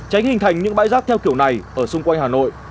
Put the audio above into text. tránh hình thành những bãi rác theo kiểu này ở xung quanh hà nội